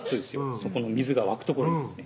そこの水が湧く所にですね